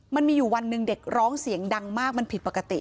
มันมีอยู่วันหนึ่งเด็กร้องเสียงดังมากมันผิดปกติ